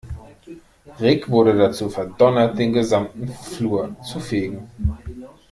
Rick wurde dazu verdonnert, den gesamten Flur zu fegen.